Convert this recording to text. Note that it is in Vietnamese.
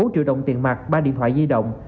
bốn triệu đồng tiền mặt ba điện thoại di động